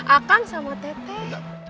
akang sama teteh